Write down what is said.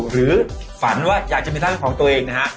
หรือฝันว่าอยากจะมีทั้งของตัวเองนะฮะ